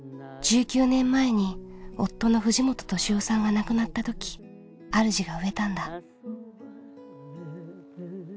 １９年前に夫の藤本敏夫さんが亡くなったときあるじが植えたんだ。